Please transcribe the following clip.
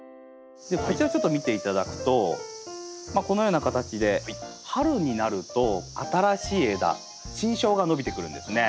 こちらちょっと見て頂くとこのような形で春になると新しい枝新梢が伸びてくるんですね。